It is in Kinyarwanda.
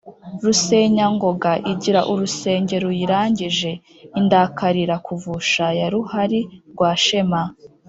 Rusenyangogo igira urusenge ruyirangije. Indakalira kuvusha ya ruhalirwashema